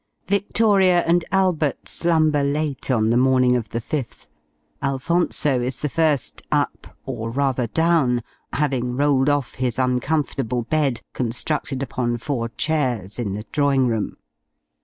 Victoria and Albert slumber late on the morning of the 5th: Alphonso is the first up or rather down, having rolled off his uncomfortable bed, constructed upon four chairs, in the drawing room.